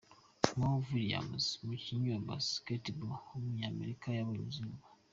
Mo Williams, umukinnyi wa basketball w’umunyamerika yabonye izuba.